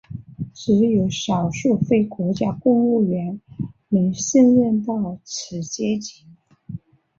只有少数非国家公务员能升任到此阶级。